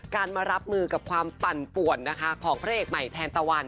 มารับมือกับความปั่นป่วนนะคะของพระเอกใหม่แทนตะวัน